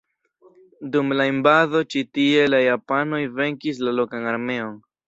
Dum la invado ĉi tie la japanoj venkis la lokan armeon.